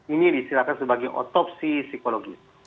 ini disilakan sebagai otopsi psikologis